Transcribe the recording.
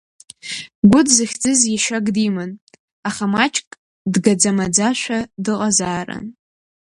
Гәыд зыхьӡыз иашьак диман, аха маҷк дгаӡа-маӡашәа дыҟазаарын.